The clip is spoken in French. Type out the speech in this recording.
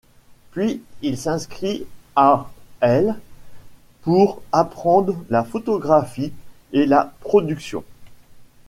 Puis il s'inscrit à l' pour apprendre la photographie et la production.